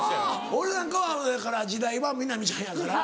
俺なんかはそやから時代は南ちゃんやから。